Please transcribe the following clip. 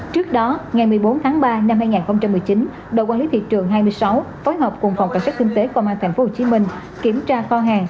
trước đó ngày một mươi bốn tháng ba năm hai nghìn một mươi chín đội quản lý thị trường hai mươi sáu phối hợp cùng phòng cảnh sát kinh tế công an tp hcm kiểm tra kho hàng